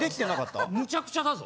むちゃくちゃだぞ。